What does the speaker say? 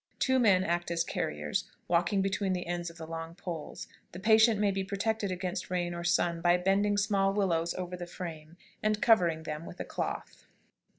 Two men act as carriers, walking between the ends of the long poles. The patient may be protected against the rain or sun by bending small willows over the frame, and covering them with a cloth.